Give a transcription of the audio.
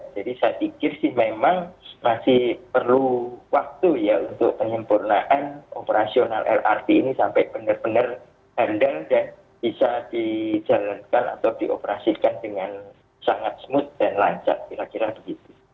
jadi saya pikir sih memang masih perlu waktu ya untuk penyempurnaan operasional lrt ini sampai benar benar handal dan bisa dijalankan atau dioperasikan dengan sangat smooth dan lancar kira kira begitu